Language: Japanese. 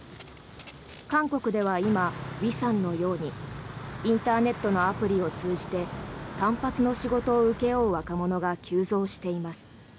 韓国では今、ウィさんのようにインターネットのアプリを通じて単発の仕事を請け負う若者が急増しています。